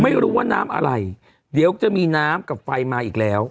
ไม่รู้ว่าน้ำอะไรเดี๋ยวจะมีน้ำกับไฟมาอีกแล้ว